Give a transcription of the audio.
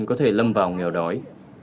có thể lâm vào nghèo đói